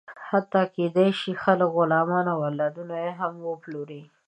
حتی کېدی شي، خلک غلامان او اولادونه هم وپلوري.